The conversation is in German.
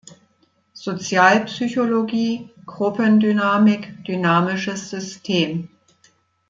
Sozialpsychologie, Gruppendynamik, Dynamisches System